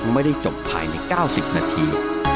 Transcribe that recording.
ไม่ได้จบภายในเก้าสิบนาที